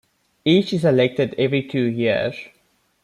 Each is elected every two years.